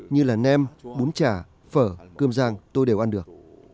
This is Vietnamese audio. như là nem bún chả phở cơm giang tôi đều ăn được